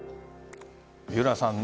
三浦さん